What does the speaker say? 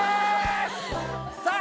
さあ